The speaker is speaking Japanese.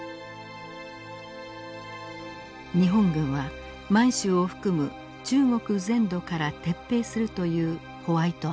日本軍は満州を含む中国全土から撤兵するというホワイト案。